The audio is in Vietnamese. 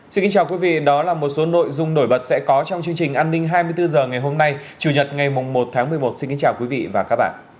xin kính chào quý vị đó là một số nội dung nổi bật sẽ có trong chương trình an ninh hai mươi bốn h ngày hôm nay chủ nhật ngày một tháng một mươi một xin kính chào quý vị và các bạn